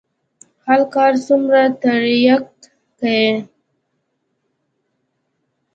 هر کال څومره ترياک کيي.